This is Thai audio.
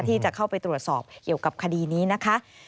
ที่จะเข้าไปตรวจสอบเกี่ยวกับคดีนี้นะคะ